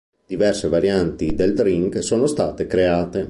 Diverse varianti del drink sono state create.